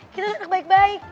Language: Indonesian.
kita tetep baik baik